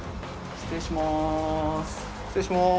失礼します。